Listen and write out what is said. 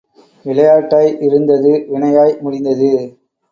விளையாட்டாய் இருந்தது வினையாய் முடிந்தது.